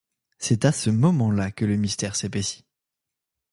C'est à ce moment-là que le mystère s'épaissit...